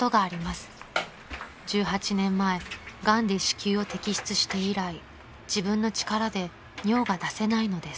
［１８年前がんで子宮を摘出して以来自分の力で尿が出せないのです］